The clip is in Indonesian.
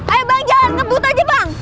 ayo bang jalan kebut aja bang